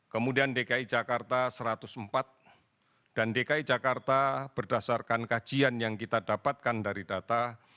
kemudian dki jakarta satu ratus empat dan dki jakarta berdasarkan kajian yang kita dapatkan dari data